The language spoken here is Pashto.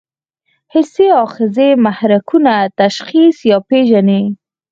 حسي آخذې محرکونه تشخیص یا پېژني.